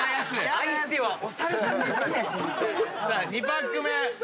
さあ２パック目。